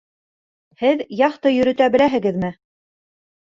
Һеҙ яхта йөрөтә беләһегеҙме?